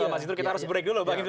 mas itur kita harus break dulu